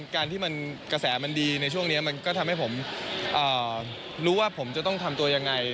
การที่มันกระแสมันดีในช่วงนี้มันก็ทำให้ผมรู้ว่าผมจะต้องทำตัวยังไง